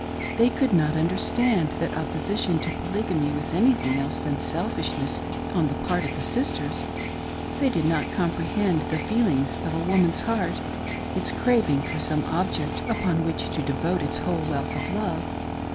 They could not understand that opposition to Polygamy was anything else than selfish ness on the part of the sisters ; they did not comprehend the feeUngs of a woman's heart — its craving for some object upon which to devote its whole wealth of love.